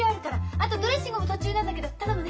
あとドレッシングも途中なんだけど頼むね。